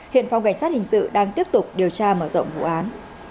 hiện phòng cảnh sát hình sự đang tiếp tục điều tra mở rộng vụ án